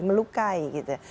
melukai gitu ya